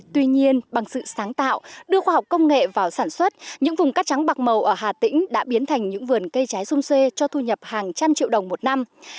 tuy nhiên bằng sự sáng tạo đưa khoa học công nghệ vào sản xuất những vùng cắt trắng bạc màu ở hà tĩnh đã biến thành những vườn cây trái xung xuê cho thu nhập hàng trăm triệu đồng một năm